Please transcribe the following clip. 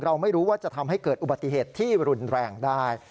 ไม่รู้ว่าจะทำให้เกิดอุบัติเหตุที่รุนแรงได้